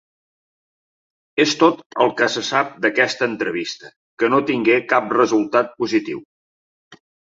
És tot el que se sap d'aquesta entrevista, que no tingué cap resultat positiu.